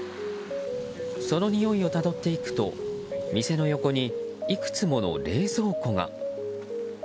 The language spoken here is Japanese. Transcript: そのにおいをたどっていくと店の横にいくつもの冷蔵庫が。